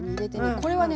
これはね